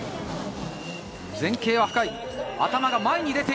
前傾は深い。